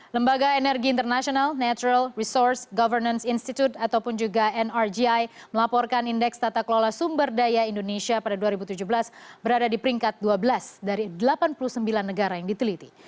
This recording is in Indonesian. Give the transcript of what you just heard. lembaga energi internasional natural resource governance institute ataupun juga nrgi melaporkan indeks tata kelola sumber daya indonesia pada dua ribu tujuh belas berada di peringkat dua belas dari delapan puluh sembilan negara yang diteliti